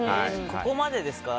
ここまでですか。